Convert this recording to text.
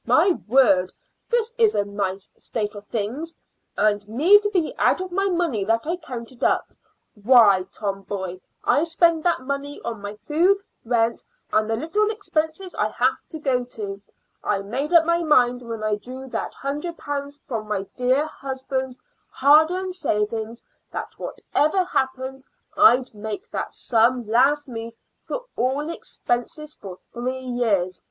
My word, this is a nice state of things! And me to be out of my money that I counted upon. Why, Tom, boy, I spend that money on my food, rent, and the little expenses I have to go to. I made up my mind when I drew that hundred pounds from my dear husband's hard earned savings that, whatever happened, I'd make that sum last me for all expenses for three years.